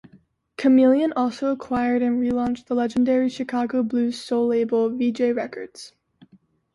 Chameleon also acquired and relaunched the legendary Chicago Blues Soul label, Vee-Jay Records.